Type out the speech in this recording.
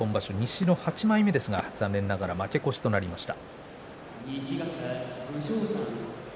西の８枚目ですが残念ながら負け越しとなりました。